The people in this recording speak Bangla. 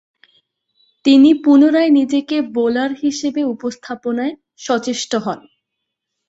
তিনি পুনরায় নিজেকে বোলার হিসেবে উপস্থাপনায় সচেষ্ট হন।